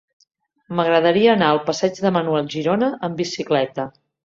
M'agradaria anar al passeig de Manuel Girona amb bicicleta.